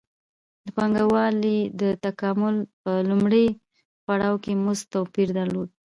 د پانګوالۍ د تکامل په لومړي پړاو کې مزد توپیر درلود